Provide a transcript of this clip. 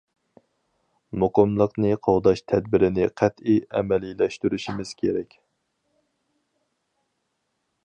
مۇقىملىقنى قوغداش تەدبىرىنى قەتئىي ئەمەلىيلەشتۈرۈشىمىز كېرەك.